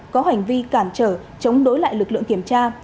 có hành vi cản trở chống đối lại lực lượng kiểm tra